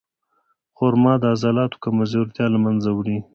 خرما د عضلاتو کمزورتیا له منځه وړي.